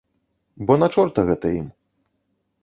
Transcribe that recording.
Бо на чорта гэта ім.